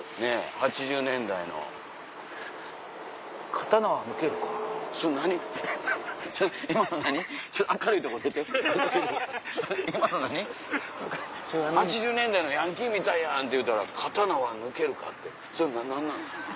「８０年代のヤンキーみたいやん」って言うたら「刀は抜けるか？」ってそれ何なの？